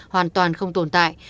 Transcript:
hoàn toàn không tồn tại